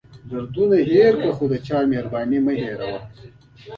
دردونه هېر کړئ خو د یو چا مهرباني مه هېروئ.